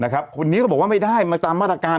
คนนี้ก็บอกว่าไม่ได้มาตามมาตรการ